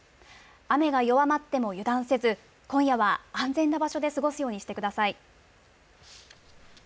雨が弱まっても油断せず、今夜は、安全な場所で過ごすようにしてください。